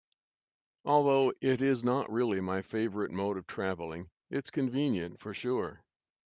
Although it is not really my favorite mode of traveling, it's convenient for sure.